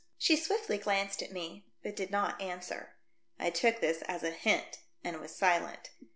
She swiftly glanced at me, but did not answer. I took this as a hint, and was silent.